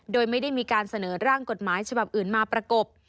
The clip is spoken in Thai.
โดยไม่ได้มีการเสนอร่างกฎหมายฉบับอื่นมาประกบ